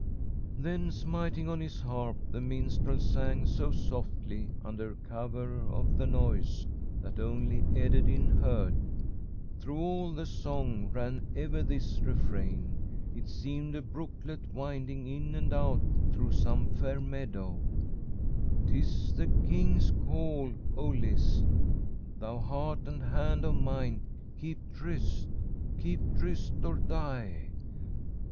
"Then smiting on his harp, the minstrel sang, so softly under cover of the noise, that only Ederyn heard. Through all the song ran ever this refrain. It seemed a brooklet winding in and out through some fair meadow: "''Tis the king's call. O list! Thou heart and hand of mine, keep tryst Keep tryst or die!'